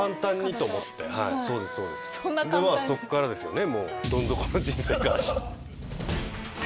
まぁそっからですよね。